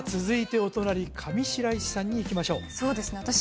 続いてお隣上白石さんにいきましょうそうですね